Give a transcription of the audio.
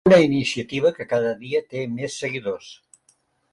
Una iniciativa que cada dia té més seguidors.